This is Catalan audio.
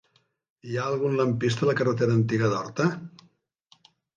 Hi ha algun lampista a la carretera Antiga d'Horta?